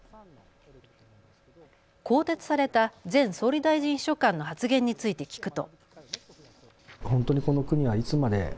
更迭された前総理大臣秘書官の発言について聞くと。